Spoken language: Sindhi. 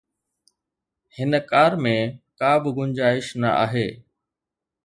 هن ڪار ۾ ڪا به گنجائش نه آهي